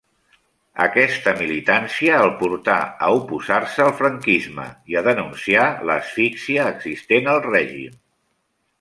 Aquesta militància el portà a oposar-se al franquisme i a denunciar l'asfíxia existent al règim.